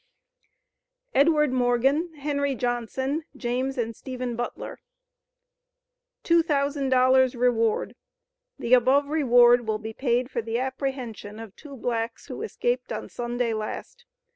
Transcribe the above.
EDWARD MORGAN, HENRY JOHNSON, JAMES AND STEPHEN BUTLER. "TWO THOUSAND DOLLARS REWARD. The above Reward will be paid for the apprehension of two blacks, who escaped on Sunday last.